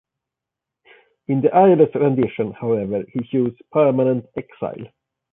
In the Irish rendition, however, he chooses permanent exile.